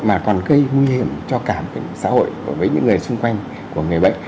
mà còn gây nguy hiểm cho cả xã hội với những người xung quanh của người bệnh